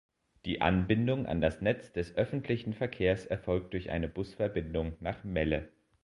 Die Anbindung an das Netz des öffentlichen Verkehrs erfolgt durch eine Busverbindung nach Melle.